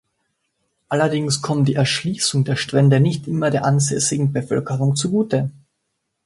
Allerdings kommt die Erschließung der Strände nicht immer der ansässigen Bevölkerung zugute.